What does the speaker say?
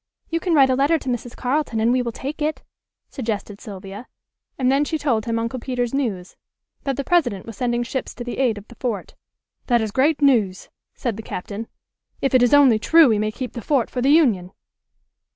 "You can write a letter to Mrs. Carleton and we will take it," suggested Sylvia, and then she told him Uncle Peter's news: that the President was sending ships to the aid of the fort. "That is great news," said the Captain; "if it is only true we may keep the fort for the Union."